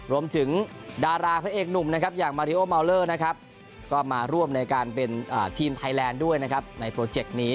รวมถึงดาราพระเอกหนุ่มอย่างมาริโอมาวเลอร์ก็มาร่วมในการเป็นทีมไทยแลนด์ด้วยในโปรเจกต์นี้